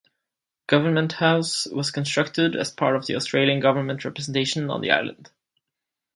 Government House was constructed as part of the Australian Government representation on the island.